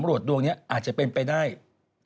โอ้เราจะมีชีวิตอยู่ถึงตอนนั้นไหมอ่ะ